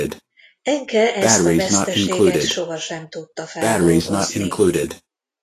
Enke ezt a veszteséget soha sem tudta feldolgozni.